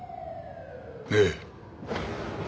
ええ。